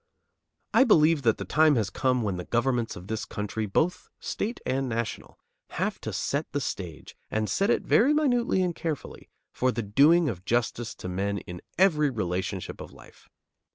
I believe that the time has come when the governments of this country, both state and national, have to set the stage, and set it very minutely and carefully, for the doing of justice to men in every relationship of life.